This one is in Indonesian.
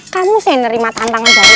kamu saya nerima tantangan dari elang